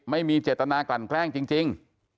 ไม่มีเจตนากลั่นแกล้งจริง